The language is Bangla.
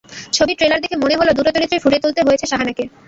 ছবির ট্রেলার দেখে মনে হলো, দুটো চরিত্রই ফুটিয়ে তুলতে হয়েছে শাহানাকে।